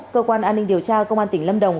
cơ quan an ninh điều tra công an tỉnh lâm đồng